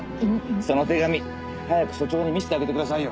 その手紙早く署長に見せてあげてくださいよ。